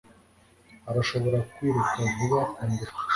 arashobora kwiruka vuba kundusha